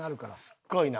すごいな。